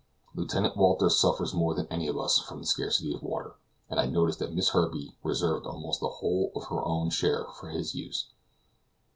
Lieutenant Walter suffers more than any of us from the scarcity of water, and I noticed that Miss Herbey reserved almost the whole of her own share for his use.